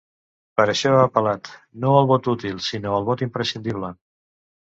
Per això ha apel·lat ‘no al vot útil, sinó al vot imprescindible’.